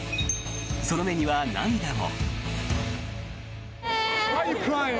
その目には涙も。